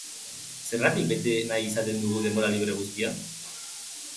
Zergatik bete nahi izaten dugu denbora libre guztia?